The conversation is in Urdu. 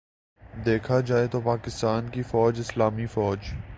دیکھا جائے تو پاکستان کی فوج اسلامی فوج